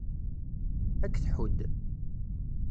Ad k-tḥudd.